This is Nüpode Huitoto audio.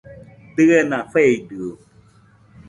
Dɨena feidɨo